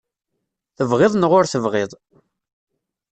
Tebɣiḍ neɣ ur tebɣiḍ.